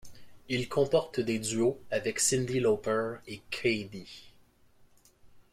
Il comporte des duos avec Cyndi Lauper et k.d.